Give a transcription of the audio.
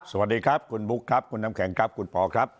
สวัสดีครับคุณบุ๊กคุณน้ำแข็งคุณปอ